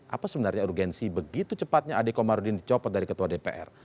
apa sebenarnya urgensi begitu cepatnya ade komarudin dicopot dari ketua dpr